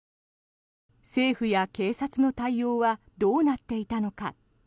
政府や警察の対応はどうなっていたのか。